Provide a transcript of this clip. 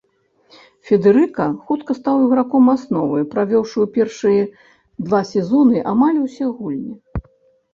Федэрыка хутка стаў іграком асновы, правёўшы ў першыя два сезоны амаль усе гульні.